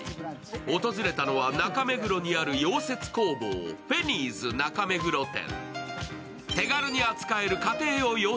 訪れたのは中目黒にある溶接工房ＦｅＮＥＥＤＳ中目黒店。